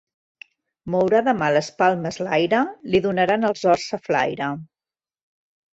Mourà demà les palmes l'aire; li donaran els horts sa flaire.